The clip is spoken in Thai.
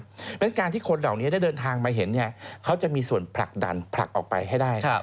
เพราะฉะนั้นการที่คนเหล่านี้ได้เดินทางมาเห็นเขาจะมีส่วนผลักดันผลักออกไปให้ได้